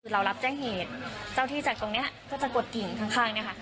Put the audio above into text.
เรารับแจ้งเหตุเจ้าที่จากตรงนี้ก็จะกดกิ่งข้างเนี่ยค่ะ